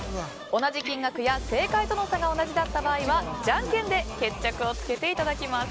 同じ金額や正解との差が同じだった場合はじゃんけんで決着をつけていただきます。